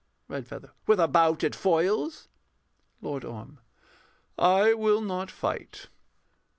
REDFEATHER. With a bout at foils? LORD ORM. I will not fight.